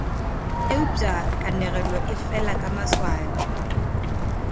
Eupša kanegelo e fela ka maswabi.